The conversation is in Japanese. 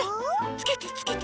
つけてつけて。